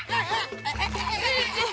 tis buka cepet